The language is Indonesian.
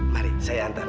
mari saya hantar